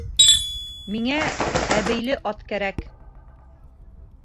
Миңә әбейле ат кәрәк.